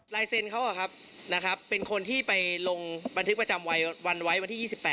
ลายเซ็นต์เขาเป็นคนที่ไปลงบันทึกประจำวันไว้วันที่๒๘